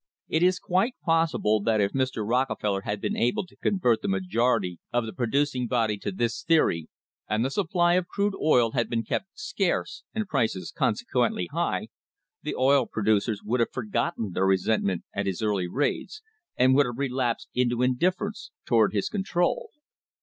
* It is quite possible that if Mr. Rockefeller had been able to convert the majority of the producing body to this theory, and the supply of crude oil had been kept scarce and prices consequently high, the oil producers would have forgotten their resentment at his early raids and would have relapsed into indifference toward his control.